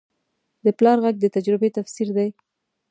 د پلار غږ د تجربې تفسیر دی